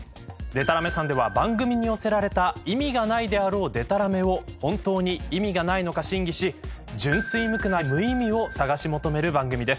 『デタラメ賛』では番組に寄せられた意味がないであろうデタラメを本当に意味がないのか審議し純粋無垢な無意味を探し求める番組です。